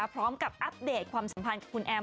พร้อมกับอัปเดตความสัมพันธ์กับคุณแอม